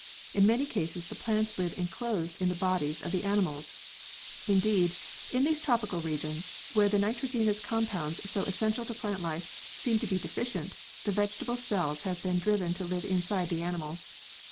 In many cases the plants live enclosed in the bodies of the animals ! Indeed, in these tropical regions where the nitrogenous compounds so essential to plant life seem to be deficient, the vegetable cells have been driven to live inside the animals.